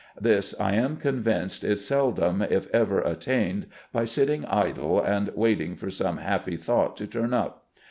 This, I am convinced, is seldom (if ever) attained by sitting idle and waiting for some happy thought to turn up.